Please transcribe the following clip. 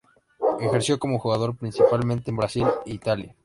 Ejerció como jugador principalmente en Brasil e Italia.